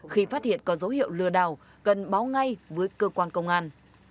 khi phát hiện có dấu hiệu lừa đảo cần báo ngay với cơ quan công an